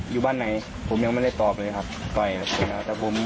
ยิงใส่คนใช่ไหม